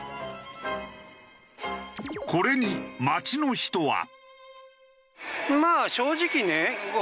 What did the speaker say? これに街の人は？